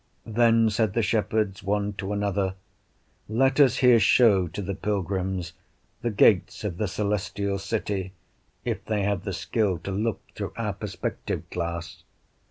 Then said the shepherds one to another, Let us here show to the pilgrims the gates of the Celestial City, if they have skill to look through our perspective glass.